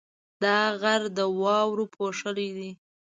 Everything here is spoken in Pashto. دا غر د واورو پوښلی دی.